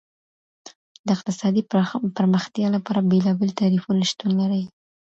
د اقتصادي پرمختيا لپاره بېلابېل تعريفونه شتون لري.